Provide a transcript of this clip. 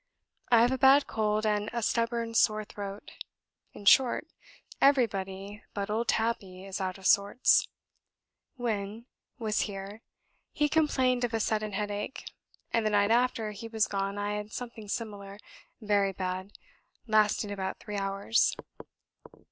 I have a bad cold, and a stubborn sore throat; in short, everybody but old Tabby is out of sorts. When was here, he complained of a sudden headache, and the night after he was gone I had something similar, very bad, lasting about three hours."